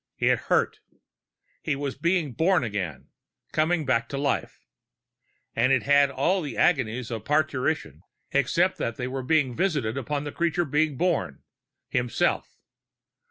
It hurt. He was being born again coming back to life and it had all the agonies of parturition, except that they were visited upon the creature being born, himself.